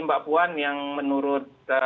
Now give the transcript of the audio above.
mbak puan yang menurut